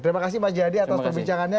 terima kasih pak jaya adi atas perbincangannya